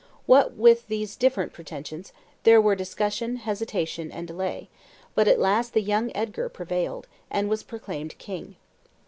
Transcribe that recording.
What with these different pretensions, there were discussion, hesitation, and delay; but at last the young Edgar prevailed, and was proclaimed king.